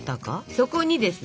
そこにですね